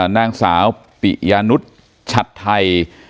นางสาวปิยานุชัทไทย